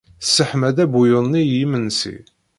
Tesseḥma-d abuyun-nni i yimensi.